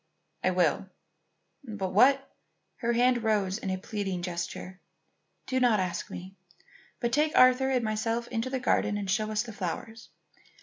"I will. But what " Her hand rose in a pleading gesture. "Do not ask me, but take Arthur and myself into the garden and show us the flowers.